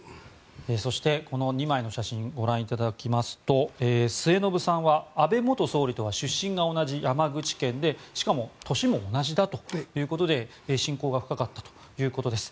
そして、この２枚の写真ご覧いただきますと末延さんは安倍元総理とは出身が同じ山口県でしかも、年も同じだということで親交が深かったということです。